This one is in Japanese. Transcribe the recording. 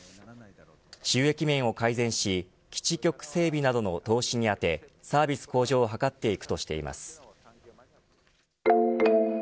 収益面を改善し基地局整備などの投資に充てサービス向上を図っていくとしています。